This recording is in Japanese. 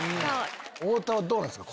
太田はどうなんですか？